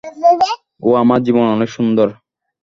ওহ, আমার জীবন অনেক সুন্দর।